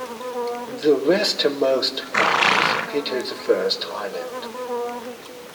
The westernmost point is Peter the First Island.